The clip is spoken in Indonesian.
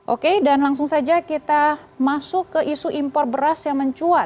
oke dan langsung saja kita masuk ke isu impor beras yang mencuat